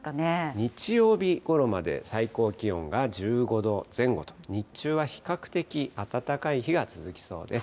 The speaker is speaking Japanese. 日曜日ごろまで最高気温が１５度前後と、日中は比較的暖かい日が続きそうです。